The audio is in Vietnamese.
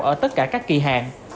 ở tất cả các kỳ hạn